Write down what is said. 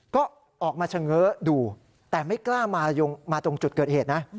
ก็ออกมาเฉง้อดูแต่ไม่กล้ามาตรงจุดเกิดเหตุนะ